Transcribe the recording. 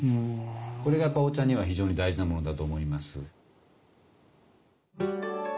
これがお茶には非常に大事なものだと思います。